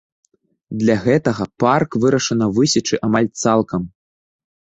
Для гэтага парк вырашана высечы амаль цалкам.